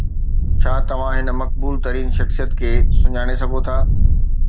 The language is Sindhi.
ڇا توهان هن مقبول ترين شخصيت کي سڃاڻي سگهو ٿا؟